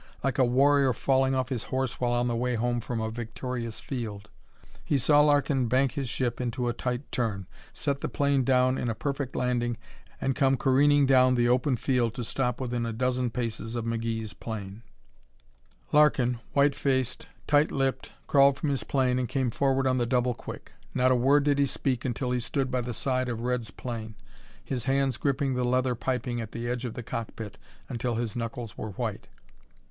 Like a Warrior falling off his horse while on the way home from a victorious field. He saw Larkin bank his ship into a tight turn, set the plane down in a perfect landing and come careening down the open field to stop within a dozen paces of McGee's plane. Larkin, white faced, tight lipped, crawled from his plane and came forward on the double quick. Not a word did he speak until he stood by the side of Red's plane, his hands gripping the leather piping at the edge of the cockpit until his knuckles were white.